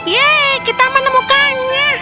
yeay kita menemukannya